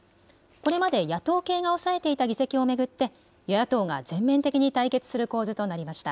これまで野党系が押さえていた議席を巡って与野党が全面的に対決する構図となりました。